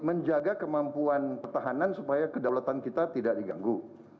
dan juga kemampuan pertahanan supaya kedaulatan kita tidak diganggu